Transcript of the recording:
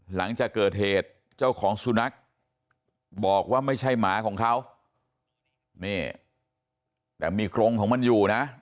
หลังจากเกิดเหตุเจ้าของสุนัขบอกว่าไม่ใช่หมาของเขานี่แต่มีกรงของมันอยู่นะ